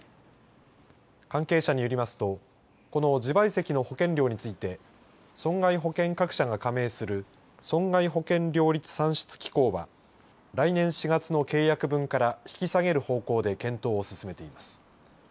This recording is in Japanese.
関係者によりますとこの自賠責の保険料について損害保険各社が加盟する損害保険料率算出機構は来年４月の契約分から引き下げる方向で検討を進めています。